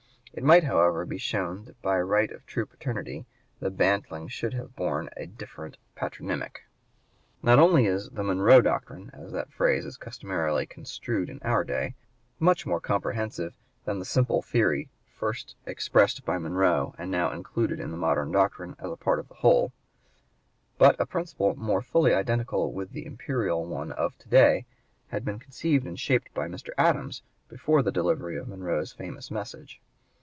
It might, however, be shown that by right of true paternity the bantling should have borne a different patronymic. Not only is the "Monroe Doctrine," as that phrase is customarily construed in our day, much more comprehensive than the simple theory first expressed by Monroe and now included in the modern doctrine as a part in the whole, but a principle more fully identical with the imperial one of to day had been conceived and shaped by Mr. Adams before the delivery of (p. 130) Monroe's famous message.